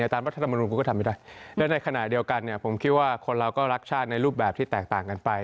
ตามรัฐธรรมนุนคุณก็ทำไม่ได้และในขณะเดียวกันเนี่ยผมคิดว่าคนเราก็รักชาติในรูปแบบที่แตกต่างกันไป